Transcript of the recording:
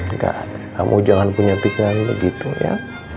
jika kamu jangan punya pikiran begitu ya